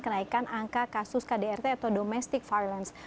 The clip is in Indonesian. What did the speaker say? kenaikan angka kasus kdrt atau domestic violence